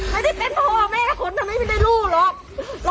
ไม่ได้เป็นพ่อแม่คนทำไมไม่ได้ลูกหรอก